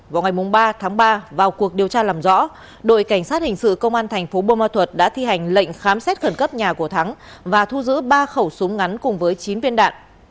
vào ngày ba tháng ba vào cuộc điều tra làm rõ đội cảnh sát hình sự công an thành phố bô ma thuật đã thi hành lệnh khám xét khẩn cấp nhà của thắng và thu giữ ba khẩu súng ngắn cùng với chín viên đạn